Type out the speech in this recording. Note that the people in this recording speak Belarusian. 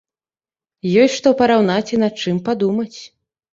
Ёсць што параўнаць і над чым падумаць.